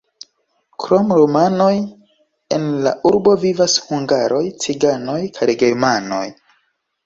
Krom rumanoj, en la urbo vivas hungaroj, ciganoj kaj germanoj.